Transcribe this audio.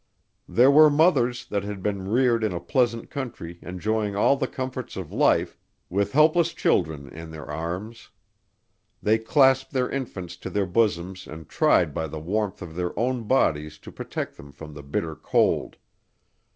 There were mothers, that had been reared in a pleasant country enjoying all the comforts of life, with helpless children in their arms. They clasped their infants to their bosoms and tried by the warmth of their own bodies to protect them from the bitter cold.